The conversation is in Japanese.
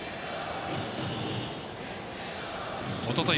おととい